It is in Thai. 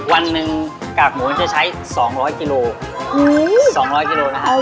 วันนึงกากหมูจะใช้๒๐๐กิโลกรัม